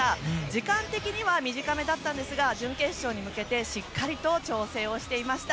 時間的には短めだったんですが準決勝に向けてしっかりと調整をしていました。